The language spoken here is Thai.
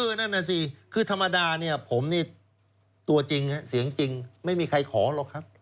นั่นน่ะสิคือธรรมดาเนี่ยผมนี่ตัวจริงเสียงจริงไม่มีใครขอหรอกครับ